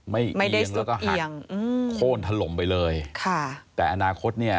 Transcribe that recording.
ไม่เอียงแล้วก็หักโค้นถล่มไปเลยค่ะไม่ได้สุดเอียง